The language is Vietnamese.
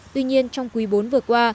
tuy nhiên trong quý bốn vừa qua